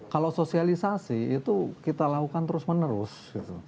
kalau sosialisasi itu kita lakukan terus menerus